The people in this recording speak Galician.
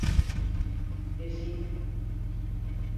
E si.